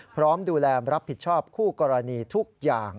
พร้อมดูแลรับผิดชอบคู่กรณีทุกอย่าง